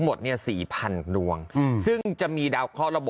ดำเนินคดีต่อไปนั่นเองครับ